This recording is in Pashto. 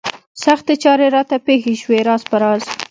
سختې چارې راته پېښې شوې راز په راز.